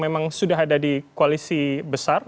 memang sudah ada di koalisi besar